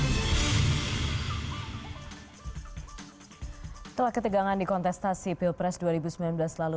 setelah ketegangan di kontestasi pilpres dua ribu sembilan belas lalu